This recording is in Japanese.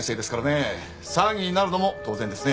騒ぎになるのも当然ですね。